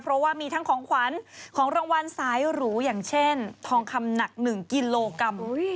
เพราะว่ามีทั้งของขวัญของรางวัลสายหรูอย่างเช่นทองคำหนัก๑กิโลกรัม